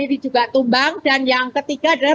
ini juga tumbang dan yang ketiga adalah